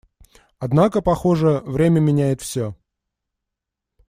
Однако, похоже, время меняет все.